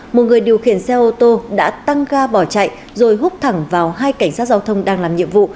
một người điều khiển xe ô tô đã tăng ga bỏ chạy rồi hút thẳng vào hai cảnh sát giao thông đang làm nhiệm vụ